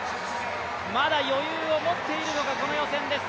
まだ余裕を持っているのかこの予選です。